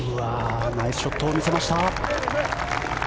ナイスショットを見せました。